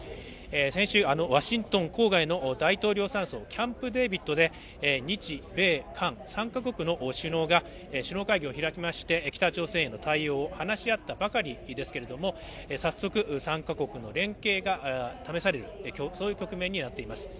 先週、ワシントン郊外の大統領山荘、キャンプ・デービッドで日米韓３か国の首脳が首脳会議を開きまして北朝鮮への対応を話し合ったばかりですけれども、早速、３か国の連携が試される局面になっています。